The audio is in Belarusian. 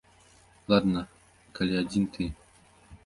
Ладна, калі адзін ты.